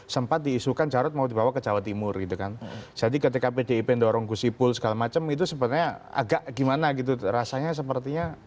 sempat diisukan jarut mau dibawa ke jawa timur gitu kan jadi ketika pdip mendorong gusipul segala macam itu sebenarnya agak gimana gitu rasanya sepertinya